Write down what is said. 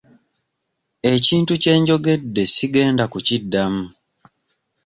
Ekintu kye njogedde sigenda kukiddamu.